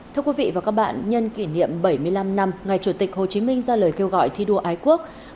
thưa quý vị và các bạn nhân kỷ niệm bảy mươi năm năm ngày chủ tịch hồ chí minh ra lời kêu gọi thi đua ái quốc